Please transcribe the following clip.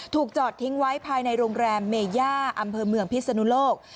จอดทิ้งไว้ภายในโรงแรมเมย่าอำเภอเมืองพิศนุโลก